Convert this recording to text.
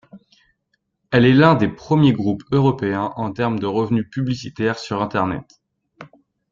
Elle est l'un des premiers groupes européens en termes de revenus publicitaires sur Internet.